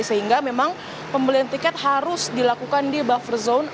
sehingga memang pembelian tiket harus dilakukan di buffer zone